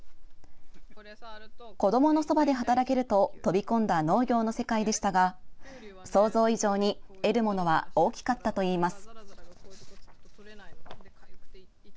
子どものそばで働けると飛び込んだ農業の世界でしたが想像以上に得るものは大きかったといいます。